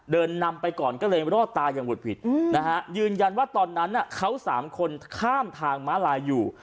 เดินนำไปก่อนก็เลยรอดตายอย่างหุดผิดนะฮะยืนยันว่าตอนนั้นเขาสามคนข้ามทางม้าลายอยู่